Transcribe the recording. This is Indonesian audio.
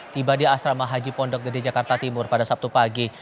tiba di asrama haji pondok gede jakarta timur pada sabtu pagi